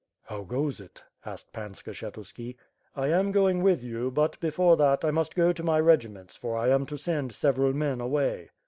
"How goes it?" asked Pan Skshetuski. "I am going with you, but, before that, I must go to my regiments, for I am to send several men away."